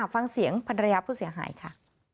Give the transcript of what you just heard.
ฟังเสียงภรรยาผู้เสียหายค่ะ